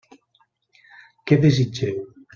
Què desitgeu?